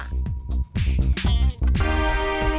โอ้โฮ